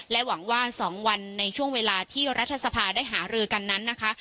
หวังว่า๒วันในช่วงเวลาที่รัฐสภาได้หารือกันนั้นนะคะ